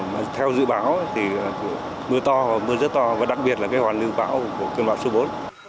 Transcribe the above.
mà theo dự báo thì mưa to mưa rất to và đặc biệt là cái hoàn lưu bão của cơn bão số bốn